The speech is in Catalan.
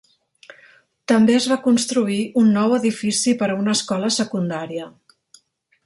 També es va construir un nou edifici per a una escola secundària.